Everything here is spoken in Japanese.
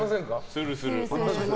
する、する。